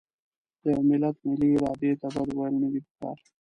د یوه ملت ملي ارادې ته بد ویل نه دي پکار.